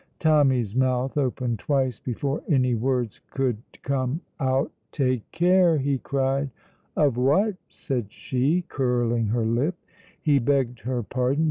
Tommy's mouth opened twice before any words could come out. "Take care!" he cried. "Of what?" said she, curling her lip. He begged her pardon.